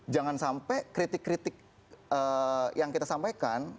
jangan sampai kritik kritik yang kita sampaikan